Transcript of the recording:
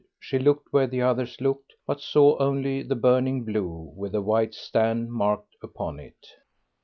She looked where the others looked, but saw only the burning blue with the white stand marked upon it.